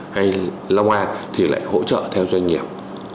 hay long an thì lại hỗ trợ theo doanh nghiệp